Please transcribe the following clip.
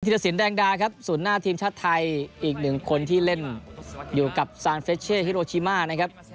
ที่จะสินแดงดาสุดหน้าทีมชาติไทยอีกหนึ่งคนที่เล่นอยู่กับฮิโรชิมานะครับ